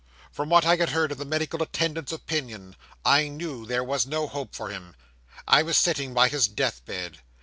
From what I had heard of the medical attendant's opinion, I knew there was no hope for him: I was sitting by his death bed.